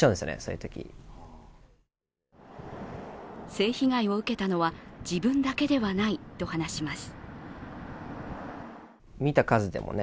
性被害を受けたのは自分だけではないと話します。